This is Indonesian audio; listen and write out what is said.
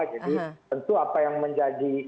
jadi tentu apa yang menjadi